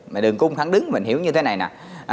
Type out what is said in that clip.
mà đường cung thắng đứng mình hiểu như thế này nè